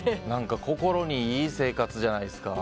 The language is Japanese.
心にいい生活じゃないですか。